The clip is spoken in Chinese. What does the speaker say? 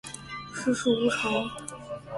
世事无常